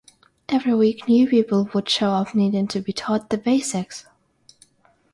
Every week new people would show up needing to be taught the basics.